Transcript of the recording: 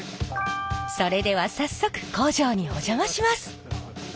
それでは早速工場にお邪魔します。